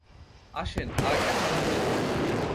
আসেন, আরেকটা খেলা হয়ে যাক।